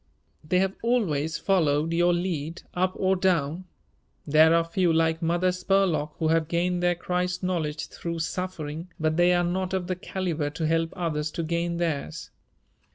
They have always followed your lead up or down. There are a few like Mother Spurlock who have gained their Christ knowledge through suffering, but they are not of the calibre to help others to gain theirs.